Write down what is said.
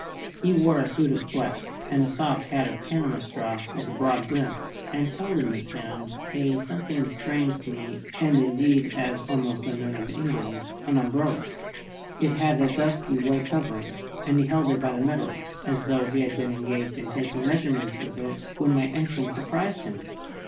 He wore a suit of black, and a soft hat of Panama straw with a broad brim, and held in his hand a something strange to me, and, indeed, as yet almost unknown in England an umbrella. It had a dusky white covering, and he held it by the middle, as though he had been engaged in taking measurements with it when my entrance surprised him.